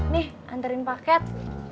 nih anterin paket